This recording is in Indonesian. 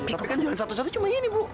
tapi kan jalan satu satu cuma ini bu